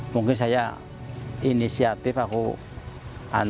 sejak menikah warsono tidak dapat lagi digunakan